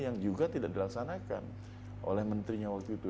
yang juga tidak dilaksanakan oleh menterinya waktu itu